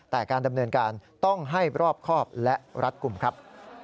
แต่การดำเนินการต้องให้รอบครอบและรัดกลุ่มครับ